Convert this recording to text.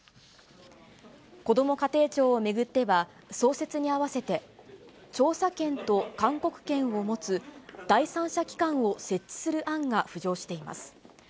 こども家庭庁を巡っては、創設に合わせて調査権と勧告権を持つ、第三者機関を設置する案が浮上しています。